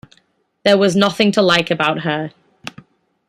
There was nothing to like about her.